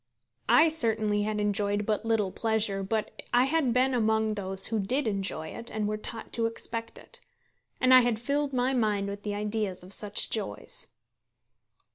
I certainly had enjoyed but little pleasure, but I had been among those who did enjoy it and were taught to expect it. And I had filled my mind with the ideas of such joys.